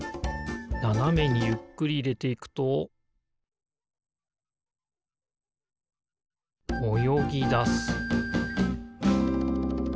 ななめにゆっくりいれていくとおよぎだす